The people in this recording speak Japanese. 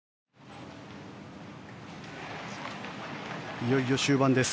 いよいよ終盤です。